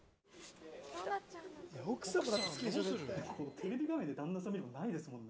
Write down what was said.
テレビ画面で旦那さん見るのないですもんね